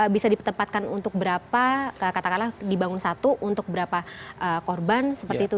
bisa ditempatkan untuk berapa katakanlah dibangun satu untuk berapa korban seperti itu